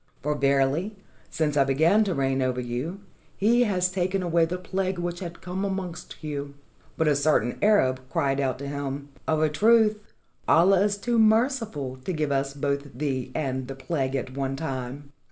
For verily since I began to reign over you, He has taken away the plague which had come amongst you." But a certain Arab cried out to him: "Of a truth Allah is too merciful to give us both thee and the plague at one time!"